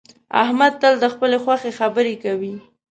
احمد تل د خپلې خوښې خبرې کوي